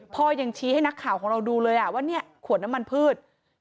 พ่อยังชี้ให้นักข่าวของเราดูเลยว่าเนี่ยขวดน้ำมันพืช